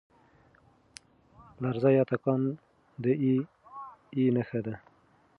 لرزه یا تکان د اې ای نښه ده.